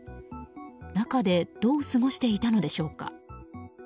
中でどう過ごしていたのでしょうか。